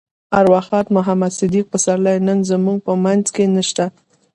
ارواښاد محمد صديق پسرلی نن زموږ په منځ کې نشته.